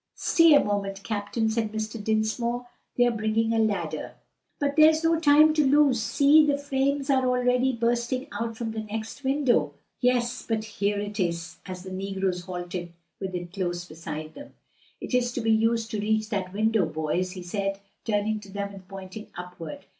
"Stay a moment, captain," said Mr. Dinsmore, "they are bringing a ladder." "But there's no time to lose; see! the flames are already bursting out from the next window." "Yes, but here it is," as the negroes halted with it close beside them. "It is to be used to reach that window, boys," he said, turning to them and pointing upward.